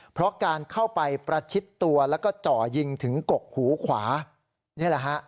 เพราะการเข้าไปประชิดตัวแล้วก็จ่อยิงถึงกกหูขวานี่แหละฮะ